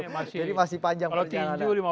jadi masih panjang perjalanan